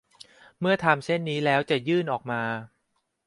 เมื่อทำเช่นนี้แล้วจะยื่นออกมา